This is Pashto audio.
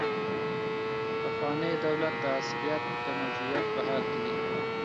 پخوانی دولت د عصبيت د موجودیت په حال کي دی.